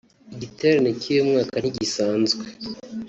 Igiterane cy’uyu mwaka ntigisanzwe